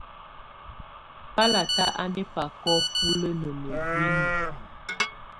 Bàlata á ná ɛbákɔ búlǝ́ ná mǝ́uinyii.